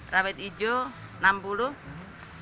rawit hijau rp enam puluh